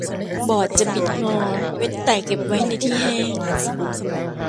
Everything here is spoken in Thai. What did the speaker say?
บอร์ดจะบิดงอเว้นแต่เก็บไว้ในที่แห้ง